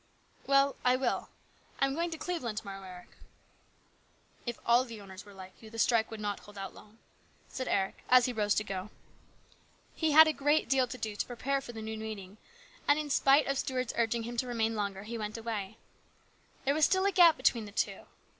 " Well, I will. I am going to Cleveland to morrow, Eric." " If all the owners were like you, the strike would not hold out long," said Eric as he rose to go. He had a great deal to do to prepare for the noon meeting, and in spite of Stuart's urging him to remain longer he went away. There was still a gap between the two.